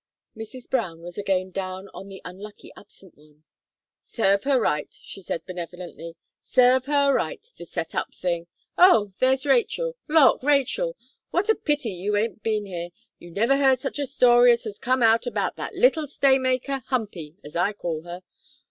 Mrs. Brown was again down on the unlucky absent one. "Serve her right," she said, benevolently. "Serve her right the set up thing! Oh! there's Rachel. Lawk, Rachel! what a pity you ain't been here! You never heard such a story as has come out about that little staymaker, Humpy, as I call her.